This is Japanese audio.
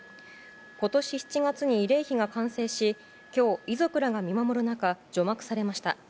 今年７月に慰霊碑が完成し今日遺族らが見守る中除幕されました。